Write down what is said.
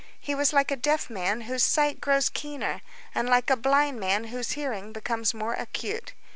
He was like a deaf man whose sight grows keener, and like a blind man whose hearing becomes more acute.